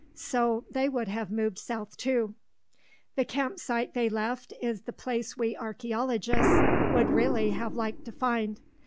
So they would have moved south, too. The camp site they left is the place we archeologists would really have liked to find.